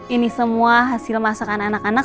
ini semua hasil masakan anak anak